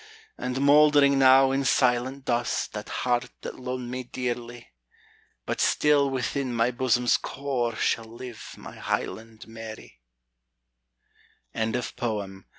And mould'ring now in silent dust That heart that lo'ed me dearly! But still within my bosom's core Shall live my Highland Mary. ROBERT BURNS.